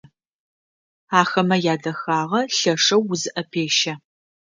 Ахэмэ ядэхагъэ лъэшэу узыӏэпещэ.